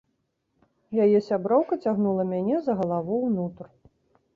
Яе сяброўка цягнула мяне за галаву ўнутр.